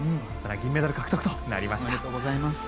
銀メダル獲得となりました。